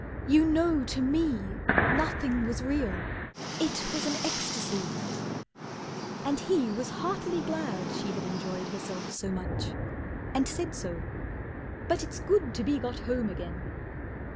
"You know to me Nothing was real, it was an ecstasy." And he was heartily glad she had enjoyed Herself so much, and said so. "But it's good To be got home again."